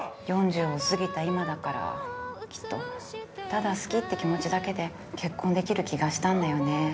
４０をすぎた今だからきっとただ好きって気持ちだけで結婚できる気がしたんだよね